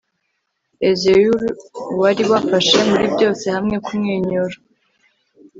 ezeulu wari wafashe muri byose hamwe kumwenyura